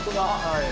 はい。